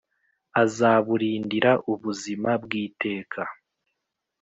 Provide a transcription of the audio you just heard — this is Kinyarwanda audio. Azaburindira ubuzima bw iteka